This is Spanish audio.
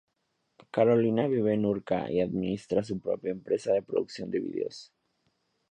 Carolina vive en Urca y administra su propia empresa de producción de vídeos.